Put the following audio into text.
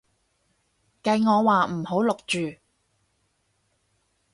計我話唔好錄住